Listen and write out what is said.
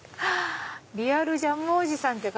「リアルジャムおじさん」って。